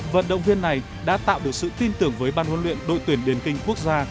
vận động viên này đã tạo được sự tin tưởng với ban huấn luyện đội tuyển điền kinh quốc gia